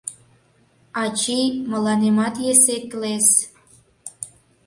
— Ачий, мыланемат есе клес...